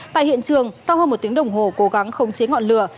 tại hiện trường sau hơn một tiếng đồng hồ cố gắng không chế ngọn lửa